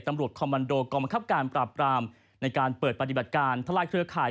คอมมันโดกองบังคับการปราบรามในการเปิดปฏิบัติการทะลายเครือข่าย